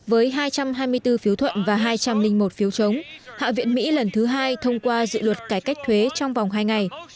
với hai trăm hai mươi bốn phiếu thuận và hai trăm linh một phiếu chống hạ viện mỹ lần thứ hai thông qua dự luật cải cách thuế trong vòng hai ngày